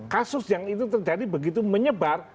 kasus yang itu terjadi begitu menyebar